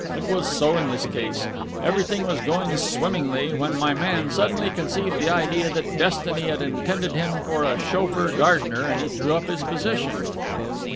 It was so in this case. Everything was going swimmingly, when my man suddenly conceived the idea that destiny had intended him for a chauffeur gardener, and he threw up his position!"